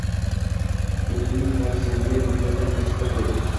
o‘zining vorisiga “Dunyoda kasblar ko‘p.